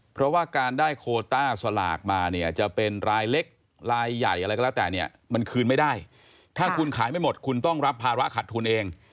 เพราะว่าการได้โคต้าสลากมาเนี่ยจะเป็นรายเล็กรายใหญ่อะไรก็แล้วแต่เนี่ยมันคืนไม่ได้ถ้าคุณขายไม่หมดคุณต้องรับภาระขัดทุนเอง